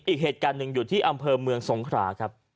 อีกเหตุการณ์หนึ่งอยู่ที่อำเภอเมืองสงขราครับ